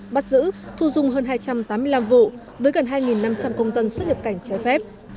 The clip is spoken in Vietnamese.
bắt giữ thu dung hơn hai trăm tám mươi năm vụ với gần hai năm trăm linh công dân xuất nhập cảnh trái phép